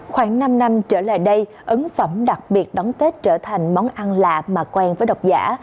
khoảng năm năm trở lại đây ấn phẩm đặc biệt đón tết trở thành món ăn lạ mà quen với độc giả